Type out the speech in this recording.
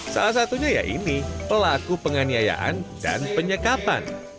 salah satunya ya ini pelaku penganiayaan dan penyekapan